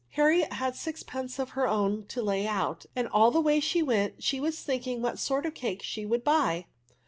Harriet had sixpence of her own to lay out, and aU the way she went she was thinking what sort of cakes she would buy.